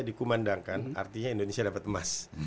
dikumandangkan artinya indonesia dapat emas